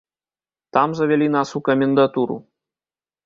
Там завялі нас у камендатуру.